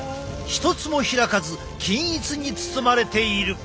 一つも開かず均一に包まれている。